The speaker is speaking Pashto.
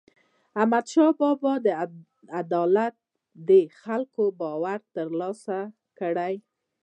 احمدشاه بابا په عدالت د خلکو باور ترلاسه کړ.